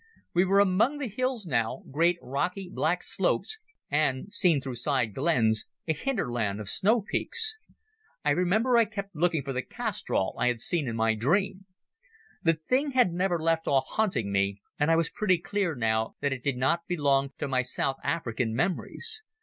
We were among the hills now, great, rocky, black slopes, and, seen through side glens, a hinterland of snowy peaks. I remember I kept looking for the castrol I had seen in my dream. The thing had never left off haunting me, and I was pretty clear now that it did not belong to my South African memories.